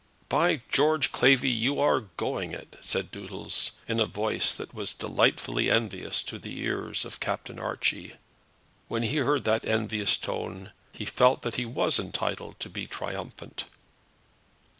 "By George, Clavvy, you are going it!" said Doodles, in a voice that was delightfully envious to the ears of Captain Archie. When he heard that envious tone he felt that he was entitled to be triumphant.